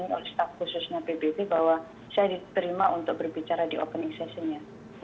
baru akhir agustus kemarin saya dihubungi oleh staff khususnya pbb bahwa saya diterima untuk berbicara di opening sessionnya